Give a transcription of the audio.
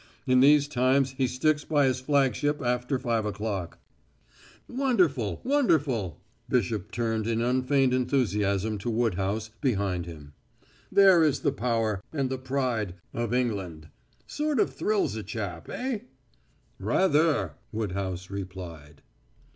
In these times he sticks by his flagship after five o'clock." "Wonderful wonderful!" Bishop turned in unfeigned enthusiasm to Woodhouse, behind him. "There is the power and the pride of England. Sort of thrills a chap, eh?" "Rather!" Woodhouse replied.